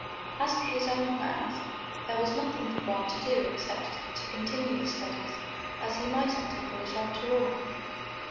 As to his own plans, there was nothing for Grant to do except to continue his studies, as he might enter college after all.